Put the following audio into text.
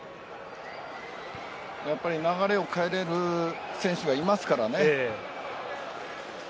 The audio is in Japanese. やっぱり流れを変えれる選手がいますからね。